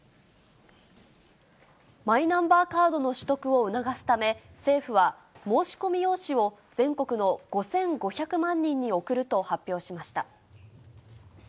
マイナンバーカードの取得を促すため、政府は申し込み用紙を、全国の５５００万人に送ると発表しました。